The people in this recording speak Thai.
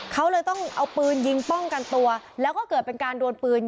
เขาเลยต้องเอาปืนยิงป้องกันตัวแล้วก็เกิดเป็นการดวนปืน